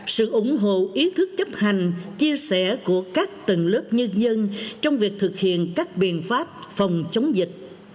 sự ủng hộ ý thức chấp hành chia sẻ của các tầng lớp nhân dân trong việc thực hiện các biện pháp phòng chống dịch